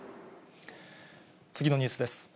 次のニュースです。